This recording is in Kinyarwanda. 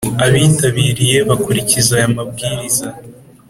Abitabiriye bakurikiza aya mabwiriza